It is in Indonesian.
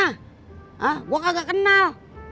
hah gua kagak kenal